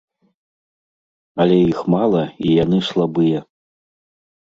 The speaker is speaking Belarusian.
Але іх мала і яны слабыя.